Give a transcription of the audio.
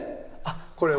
これはね。